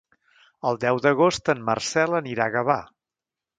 El deu d'agost en Marcel anirà a Gavà.